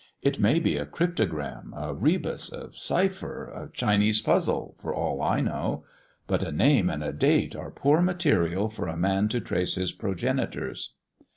It may be a cryptogram, a rebus, a cipher, a Chinese puzzle, for all I know. But a name and a date are poor material for a man to trace his progenitors."